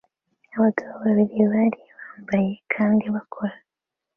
Abagabo babiri bari bambaye kandi bakora